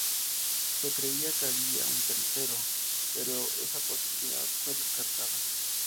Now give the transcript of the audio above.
Se creía que había un tercero, pero esa posibilidad fue descartada.